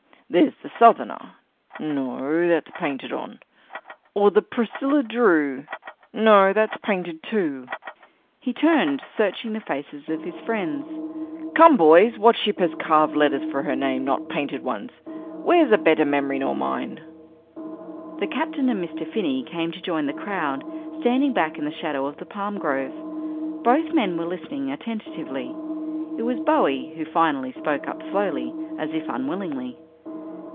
There's the Southerner no, that's painted on, or the Priscilla Drew no; that's painted too." He turned, searching the faces of his friends. "Come, boys, what ship has carved letters for her name, not painted ones? Where's a better memory nor mine?" The Captain and Mr. Finney came to join the crowd, standing back in the shadow of the palm grove. Both men were listening attentively. It was Bowie who finally spoke up slowly, as if unwillingly.